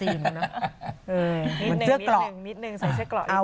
เออเหมือนเชื้อกรอก